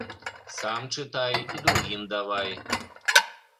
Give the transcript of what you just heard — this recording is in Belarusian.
Сам чытай і другім давай.